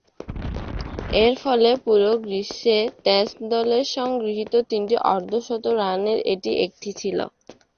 এরফলে, পুরো গ্রীষ্মে টেস্ট দলের সংগৃহীত তিনটি অর্ধ-শতরানের এটি একটি ছিল।